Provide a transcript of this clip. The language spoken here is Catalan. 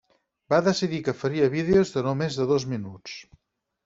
Va decidir que faria vídeos de no més de dos minuts.